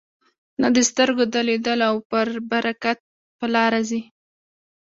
نه د سترګو د لیدلو او پر برکت په لاره ځي.